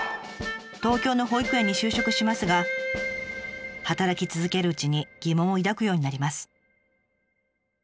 東京の保育園に就職しますが働き続けるうちに疑問を抱くようになります。